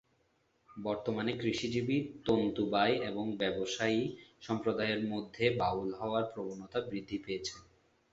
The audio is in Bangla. বর্তমানে কৃষিজীবী, তন্তুবায় এবং ব্যবসায়ী সম্প্রদায়ের মধ্যে বাউল হওয়ার প্রবণতা বৃদ্ধি পেয়েছে।